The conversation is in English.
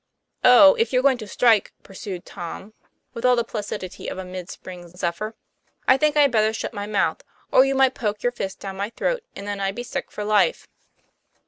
" Oh ! if you're going to strike, " pursued Tom with 52 TO.lf PLAYFAIR. all the placidity of a midspring zephyr, ' I think I had better shut my mouth, or you might poke your fist down my throat, and then I'd be sick for life."